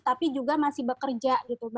tapi juga masih bekerja gitu